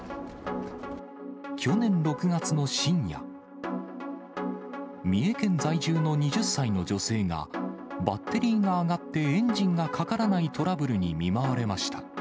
去年６月の深夜、三重県在住の２０歳の女性がバッテリーが上がってエンジンがかからないトラブルに見舞われました。